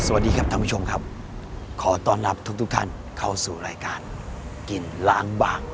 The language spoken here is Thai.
สวัสดีครับท่านผู้ชมครับขอต้อนรับทุกทุกท่านเข้าสู่รายการกินล้างบาง